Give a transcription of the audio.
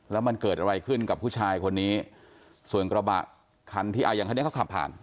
แล้วมันเกิดอะไรขึ้นกับผู้ชายคนนี้ส่วนกระบะคันที่อ่าอย่างคันนี้เขาขับผ่าน